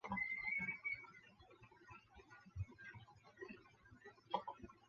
霍姆伍德镇区为位在美国堪萨斯州富兰克林县的镇区。